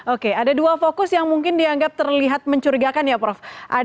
oke ada dua fokus yang mungkin dianggap terlihat mencurigakan ya prof